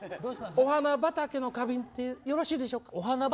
お花畑の花瓶でよろしいでしょうか？